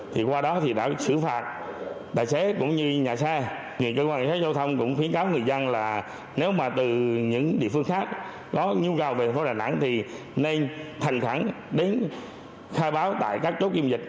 thì nên thành khẳng đến khai báo tại các chỗ kim dịch